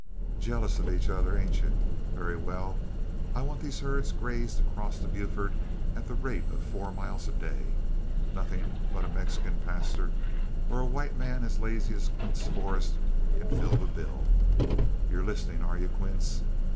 "Jealous of each other, ain't you? Very well; I want these herds grazed across to Buford at the rate of four miles a day. Nothing but a Mexican pastor, or a white man as lazy as Quince Forrest can fill the bill. You're listening, are you, Quince?